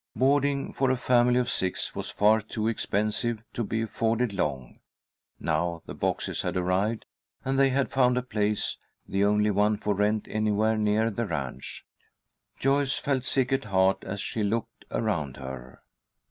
Boarding for a family of six was far too expensive to be afforded long. Now the boxes had arrived, and they had found a place, the only one for rent anywhere near the ranch. Joyce felt sick at heart as she looked around her.